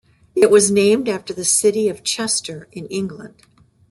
It was named after the City of Chester in England.